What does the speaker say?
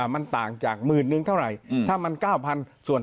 มันต่างจากหมื่นหนึ่งเท่าไหร่